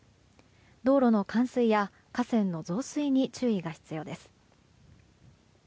道路の冠水や河川の増水に注意が必要です。